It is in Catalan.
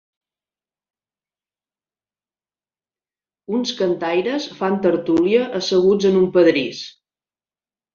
Uns cantaires fan tertúlia asseguts en un pedrís.